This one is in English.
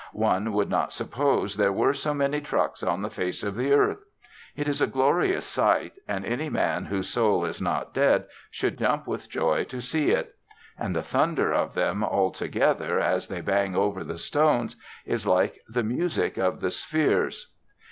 One would not suppose there were so many trucks on the face of the earth. It is a glorious sight, and any man whose soul is not dead should jump with joy to see it. And the thunder of them altogether as they bang over the stones is like the music of the spheres.